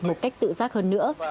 một cách tự giác hơn nữa